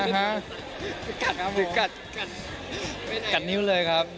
หรือกัดนิ้วเลยครับ